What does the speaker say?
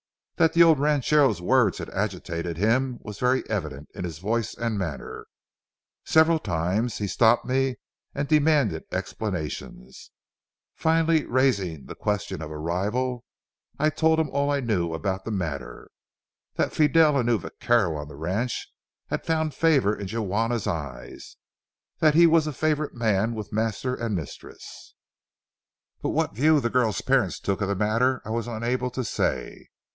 That the old ranchero's words had agitated him was very evident in his voice and manner. Several times he stopped me and demanded explanations, finally raising the question of a rival. I told him all I knew about the matter; that Fidel, a new vaquero on the ranch, had found favor in Juana's eyes, that he was a favorite man with master and mistress, but what view the girl's parents took of the matter I was unable to say.